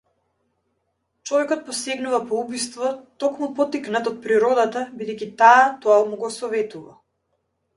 Човекот посегнува по убиство токму поттикнат од природата, бидејќи таа тоа му го советува.